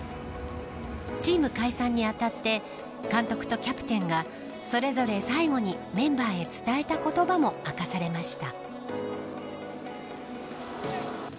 チーム解散にあたって監督とキャプテンがそれぞれ最後にメンバーへ伝えた言葉も明かされました。